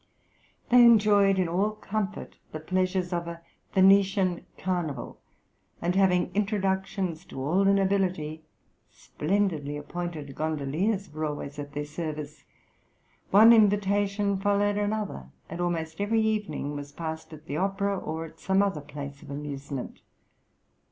They enjoyed in all comfort the pleasures of a Venetian carnival, and, having introductions to all the nobility, splendidly appointed gondoliers were always at their service; one invitation followed another, and almost every evening was passed at the opera, or at some other place of amusement.